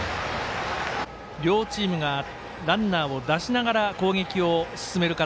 両チームがランナーを出しながら攻撃を進める形。